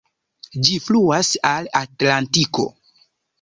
Ĝi fluas al Atlantiko.